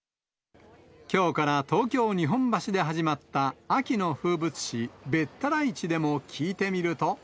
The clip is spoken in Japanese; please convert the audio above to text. きょうから東京・日本橋で始まった、秋の風物詩、べったら市でも聞いてみると。